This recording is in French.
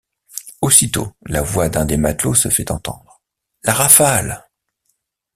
Aussitôt, la voix d’un des matelots se fait entendre: « La rafale!